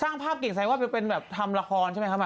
สร้างภาพเก่งแสดงว่าเป็นแบบทำละครใช่ไหมครับ